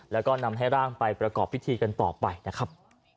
แล้วก็นำให้ร่างไปประกอบพิธีกันต่อไปนะครับ